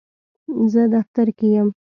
زه دفتر کې یم.